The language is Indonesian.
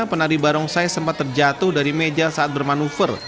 penari barongsai sempat terjatuh dari meja saat bermanuver